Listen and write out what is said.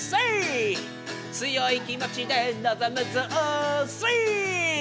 「強い気持ちでのぞむぞセェイ」